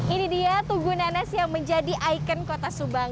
ini dia tugu nanas yang menjadi ikon kota subang